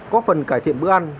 có phần cải thiện bữa ăn